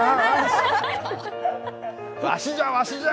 わしじゃ、わしじゃ！